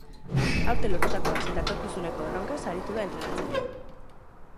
Aurten lortutakoaz eta etorkizuneko erronkez aritu da entrenatzailea.